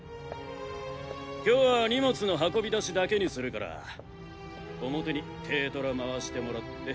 今日は荷物の運び出しだけにするから表に軽トラ回してもらって。